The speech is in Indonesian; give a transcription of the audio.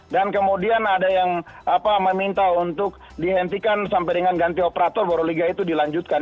dan kemudian ada yang meminta untuk dihentikan sampai dengan ganti operator baru liga itu dilanjutkan